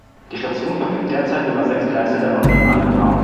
Die Station verfügt derzeit über sechs Gleise der London Underground.